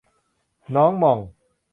น้องหม่อง